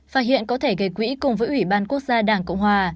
và hiện có thể gây quỹ cùng với ủy ban quốc gia đảng cộng hòa